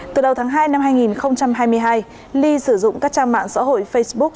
từ đầu tháng hai năm hai nghìn hai mươi hai ly sử dụng các trang mạng xã hội facebook